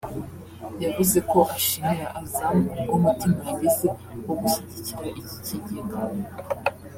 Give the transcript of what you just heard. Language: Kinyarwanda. yavuze ko ashimira Azam ku bw’umutima yagize wo gushyigikira iki kigega